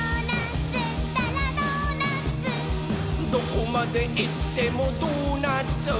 「どこまでいってもドーナツ！」